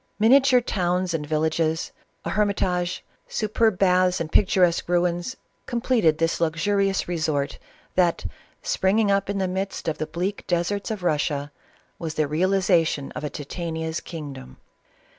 Minia ture towns and villages, a hermitage, superb baths, and picturesque ruins, completed this luxurious resort, that, springing up in the midst of the bleak deserts of Rus sia, was the realization of a Titania's kingdom.